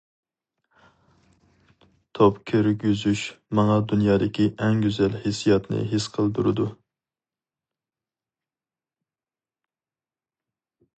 توپ كىرگۈزۈش ماڭا دۇنيادىكى ئەڭ گۈزەل ھېسسىياتنى ھېس قىلدۇرىدۇ.